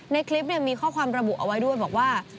ในคลิปมีข้อความระบุเอาไว้ด้วยบอกว่า